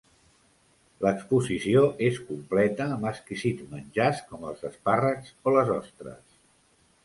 L'exposició es completa amb exquisits menjars com els espàrrecs o les ostres.